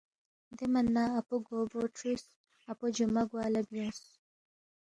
دے من نہ اپو گو بو کھرُوس، اپو جُمعہ گوا لہ بیُونگس